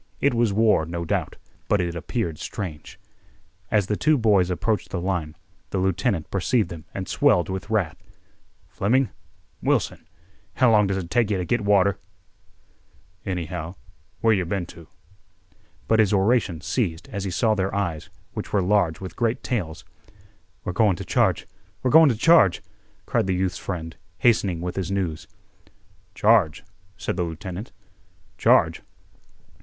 It was war, no doubt, but it appeared strange. As the two boys approached the line, the lieutenant perceived them and swelled with wrath. "Fleming—Wilson—how long does it take yeh to git water, anyhow—where yeh been to." But his oration ceased as he saw their eyes, which were large with great tales. "We're goin' t' charge—we're goin' t' charge!" cried the youth's friend, hastening with his news. "Charge?" said the lieutenant. "Charge?